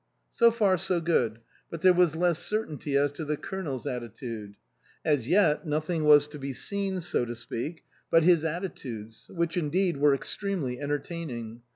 So far so good ; but there was less certainty as to the Colonel's attitude. As yet nothing was to be seen, so to speak, but his attitudes, which indeed were extremely entertaining.